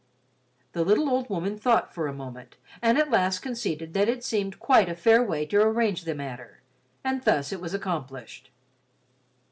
The little old woman thought for a moment and at last conceded that it seemed quite a fair way to arrange the matter. And thus it was accomplished.